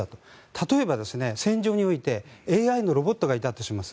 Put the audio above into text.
例えば戦場においてＡＩのロボットがいたとします。